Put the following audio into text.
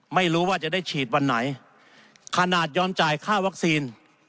ไม่รู้ว่าจะได้ฉีดวันไหนขนาดยอมจ่ายค่าวัคซีน